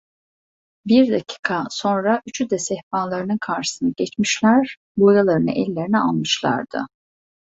Bir dakika sonra üçü de sehpalarının karşısına geçmişler, boyalarını ellerine almışlardı.